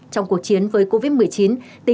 trong cuộc chiến với covid một mươi chín